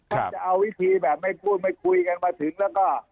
มันจะเอาวิธีแบบไม่พูดไม่คุยกันมาถึงแล้วก็